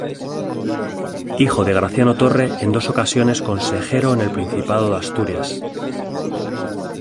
Hijo de Graciano Torre en dos ocasiones consejero en el Principado de Asturias.